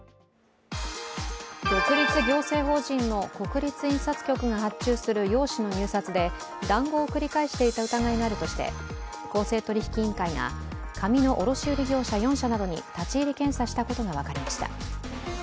独立行政法人の国立印刷局が発行する用紙の入札で談合を繰り返していた疑いがあるとして公正取引委員会が紙の卸売業者４社などに立入検査したことが分かりました。